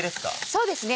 そうですね